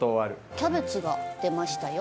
キャベツが出ましたよ。